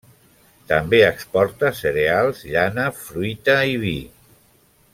També exporta cereals, llana, fruita i vi.